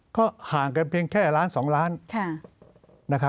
ก็ห่างกันเพียงแค่ล้าน๒ล้าน